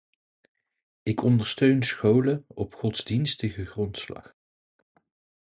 Ik ondersteun scholen op godsdienstige grondslag.